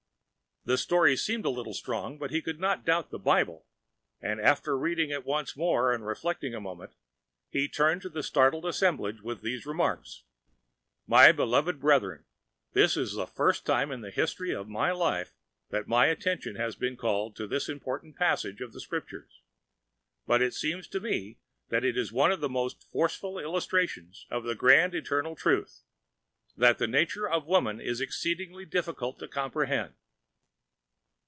The story seemed a little strong, but he could not doubt the Bible, and after reading it once more and reflecting a moment, he turned to the startled assemblage with these remarks: "My beloved brethren, this is the first time in the history of my life that my attention has been called to this important passage of the Scriptures, but it seems to me that it is one of the most forcible illustrations of that grand eternal truth, that the nature of woman is exceedingly difficult to comprehend."